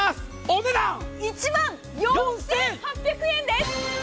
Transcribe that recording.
お値段、１万４８００円です。